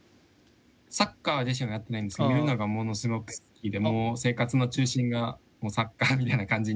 サッカー自身はやってないんですけど見るのがものすごく好きでもう生活の中心がサッカーみたいな感じにはなってます。